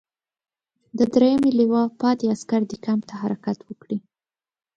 د دریمې لواء پاتې عسکر دې کمپ ته حرکت وکړي.